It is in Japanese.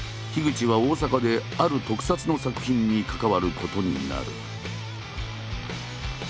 口は大阪である特撮の作品に関わることになる。